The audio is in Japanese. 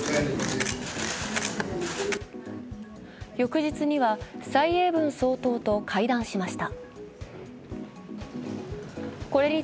翌日には蔡英文総統と会談しました。